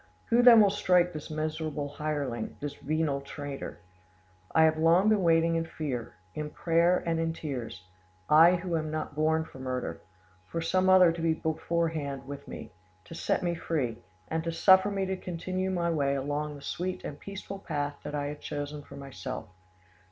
"Who then will strike this miserable hireling, this venal traitor? "I have long been waiting in fear, in prayer, and in tears—I who am not born for murder—for some other to be beforehand with me, to set me free, and suffer me to continue my way along the sweet and peaceful path that I had chosen for myself.